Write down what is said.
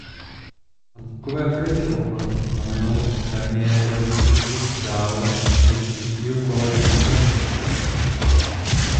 Antukové French Open znamenalo premiérový postup dále než do třetího kola grandslamu.